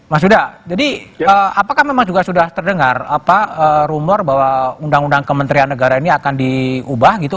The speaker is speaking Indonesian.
mas huda jadi apakah memang juga sudah terdengar rumor bahwa undang undang kementerian negara ini akan diubah gitu